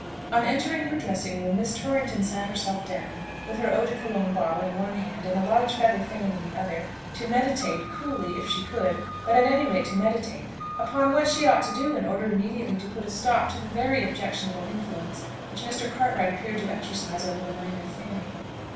On entering her dressing room, Miss Torrington sat herself down, with her eau de Cologne bottle in one hand and a large feather fan in the other, to meditate coolly, if she could, but at any rate to meditate upon what she ought to do in order immediately to put a stop to the very objectionable influence which Mr. Cartwright appeared to exercise over the mind of Fanny.